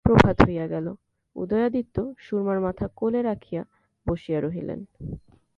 প্রভাত হইয়া গেল, উদয়াদিত্য সুরমার মাথা কোলে রাখিয়া বসিয়া রহিলেন।